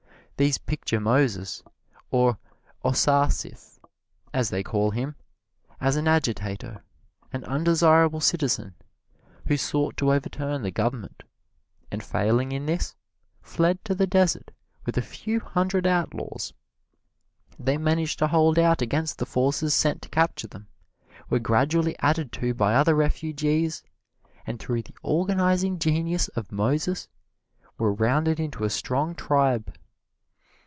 These picture Moses, or Osarsiph, as they call him, as an agitator, an undesirable citizen, who sought to overturn the government, and failing in this, fled to the desert with a few hundred outlaws. They managed to hold out against the forces sent to capture them, were gradually added to by other refugees, and through the organizing genius of Moses were rounded into a strong tribe.